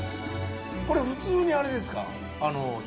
これ普通にあれですか？